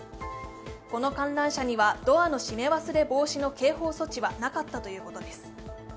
この観覧車にはドアの閉め忘れ防止の警報装置はなかったということです。